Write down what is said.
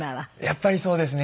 やっぱりそうですね。